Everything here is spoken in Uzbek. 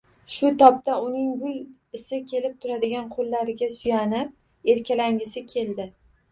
Shu topda uning gul isi kelib turadigan qo`llariga suyanib erkalangisi keldi